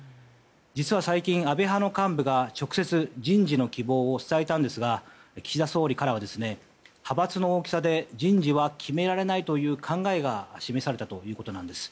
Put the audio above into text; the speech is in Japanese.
実は最近、安倍派の幹部が直接、人事の希望を伝えたんですが岸田総理からは派閥の大きさで人事は決められないという考えが示されたということです。